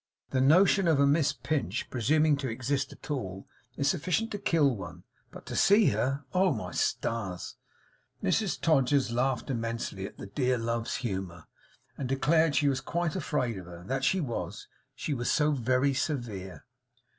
The notion of a Miss Pinch presuming to exist at all is sufficient to kill one, but to see her oh my stars!' Mrs Todgers laughed immensely at the dear love's humour, and declared she was quite afraid of her, that she was. She was so very severe.